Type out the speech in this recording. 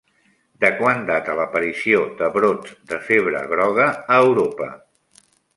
De quan data l'aparició de brots de febre groga a Europa?